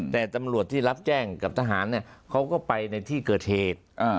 แต่ตำรวจที่รับแจ้งกับทหารเขาก็ไปในที่เกิดเหตุ